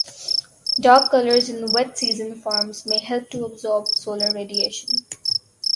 Dark colours in wet-season forms may help to absorb solar radiation.